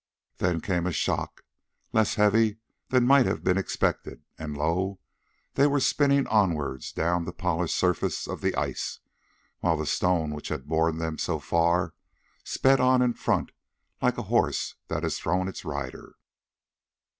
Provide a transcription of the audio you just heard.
Then came a shock, less heavy than might have been expected, and lo! they were spinning onwards down the polished surface of the ice, while the stone which had borne them so far sped on in front like a horse that has thrown its rider.